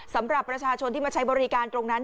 สำหรับประชาชนที่มาใช้บริการตรงนั้น